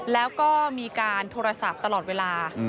แล้วก็มีการโทรศัพท์ตลอดเวลา